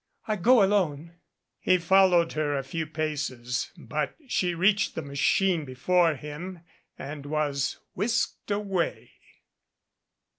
I go alone." He followed her a few paces but she reached the ma chine before him and was whisked away.